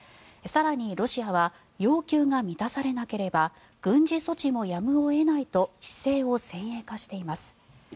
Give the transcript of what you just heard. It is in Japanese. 更にロシアは要求が満たされなければ軍事措置もやむを得ないと姿勢を先鋭化しています。